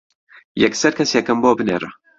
یەکسەر کەسێکم بۆ بنێرە.